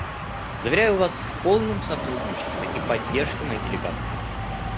Заверяю вас в полном сотрудничестве и поддержке моей делегации.